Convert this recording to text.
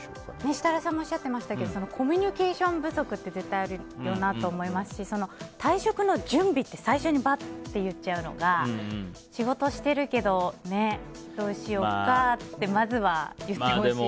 設楽さんもおっしゃっていましたけどコミュニケーション不足って絶対あるよなと思いますし退職の準備って最初にばって言っちゃうのが仕事しているけどねどうしようかってまずは言ってほしいですね。